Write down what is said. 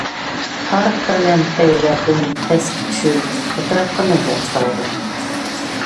تار پەلەمپەيلەردىن پەسكە چۈشۈپ ئەتراپقا نەزەر سالدىم.